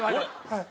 はい。